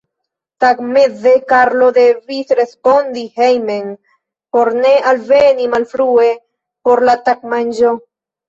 Tagmeze Karlo devis rapidi hejmen por ne alveni malfrue por la tagmanĝo.